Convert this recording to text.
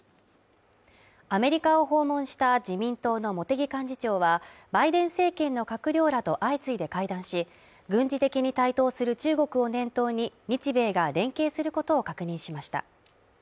アメリカを訪問した自民党の茂木幹事長は、バイデン政権の閣僚らと相次いで会談し、軍事的に台頭する中国を念頭に、日米が連携することを確認しました。